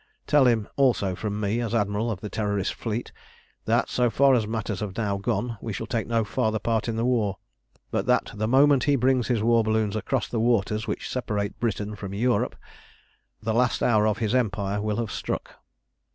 "Tell him also from me, as Admiral of the Terrorist fleet, that, so far as matters have now gone, we shall take no further part in the war; but that the moment he brings his war balloons across the waters which separate Britain from Europe, the last hour of his empire will have struck.